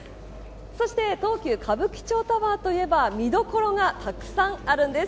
東急歌舞伎町タワーといえば見どころがたくさんあるんです。